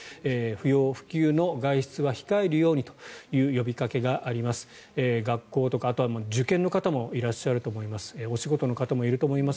不要不急の外出は控えるようにという呼びかけがあります。